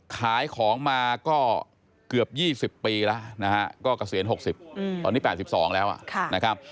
ขายของมาก็เกือบ๒๐ปีแล้วนะฮะก็เกษียณ๖๐ตอนนี้๘๒แล้วนะครับ